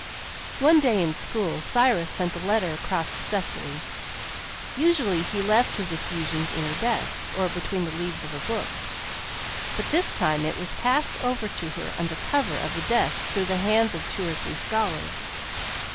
One day in school Cyrus sent a letter across to Cecily. Usually he left his effusions in her desk, or between the leaves of her books; but this time it was passed over to her under cover of the desk through the hands of two or three scholars.